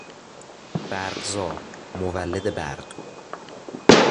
برقزا، مولد برق